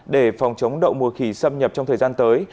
để phòng chống đậu mùa khỉ xâm nhập trong thời gian tới